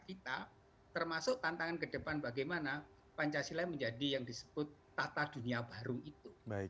kita termasuk tantangan ke depan bagaimana pancasila menjadi yang disebut tata dunia baru itu